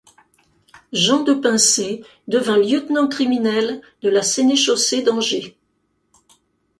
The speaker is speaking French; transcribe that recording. Jean de Pincé devint Lieutenant criminel de la sénéchaussée d'Angers.